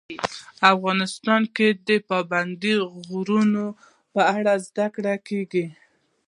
افغانستان کې د پابندی غرونه په اړه زده کړه کېږي.